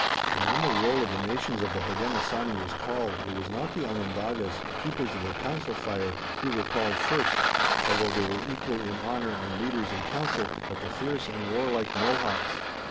And when the roll of the nations of the Hodenosaunee was called it was not the Onondagas, Keepers of the Council Fire, who were called first, although they were equal in honor, and leaders in council, but the fierce and warlike Mohawks.